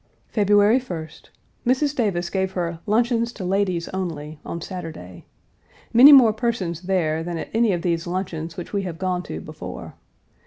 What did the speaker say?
February 1st. Mrs. Davis gave her "Luncheon to Ladies Only" on Saturday. Many more persons there than at any of these luncheons which we have gone to before.